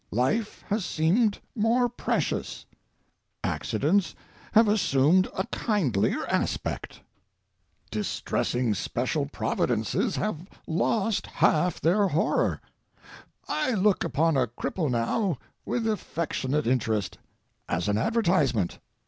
Life has seemed more precious. Accidents have assumed a kindlier aspect. Distressing special providences have lost half their horror. I look upon a cripple now with affectionate interest—as an advertisement.